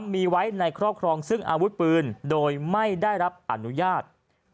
มีไว้ในครอบครองซึ่งอาวุธปืนโดยไม่ได้รับอนุญาต